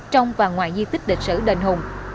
trong và ngoài di tích địch sử đền hùng